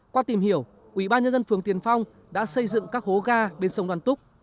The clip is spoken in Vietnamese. qua tìm hiểu ủy ban nhân dân phường tiền phong đã xây dựng các hố ga bên sông đoàn túc